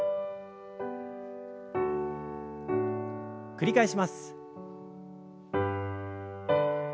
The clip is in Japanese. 繰り返します。